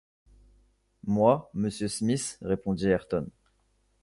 Moi, monsieur Smith, répondit Ayrton.